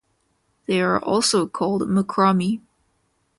They are also called Makrami.